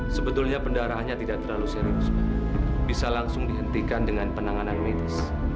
sebetulnya pendarahannya tidak terlalu serius bisa langsung dihentikan dengan penanganan medis